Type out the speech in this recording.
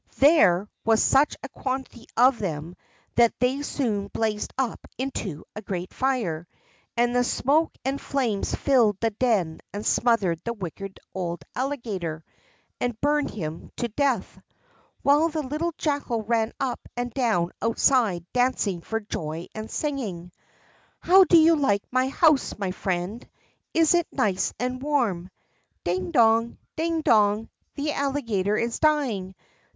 There was such a quantity of them that they soon blazed up into a great fire, and the smoke and flames filled the den and smothered the wicked old Alligator and burned him to death, while the little Jackal ran up and down outside dancing for joy and singing: "How do you like my house, my friend? Is it nice and warm? Ding dong! ding dong! The Alligator is dying!